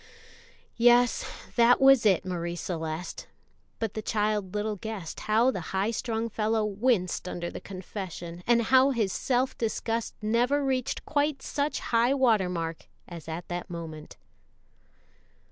"Yes, that was it, Marie Celeste;" but the child little guessed how the high strung fellow winced under the confession, and how his self disgust never reached quite such high water mark as at that moment.